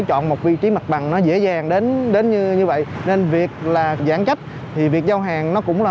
chọn một vị trí mặt bằng nó dễ dàng đến như vậy nên việc là giãn cách thì việc giao hàng nó cũng là